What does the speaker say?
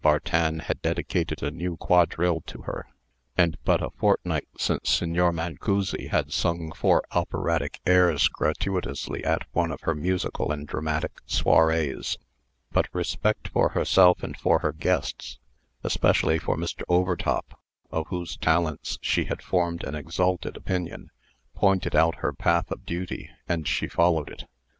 Bartin had dedicated a new quadrille to her; and but a fortnight since Signor Mancussi had sung four operatic airs gratuitously at one of her musical and dramatic soirées. But respect for herself and for her guests especially for Mr. Overtop, of whose talents she had formed an exalted opinion pointed out her path of duty, and she followed it.